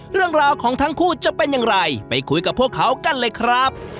เรื่องราวของทั้งคู่จะเป็นอย่างไรไปคุยกับพวกเขากันเลยครับ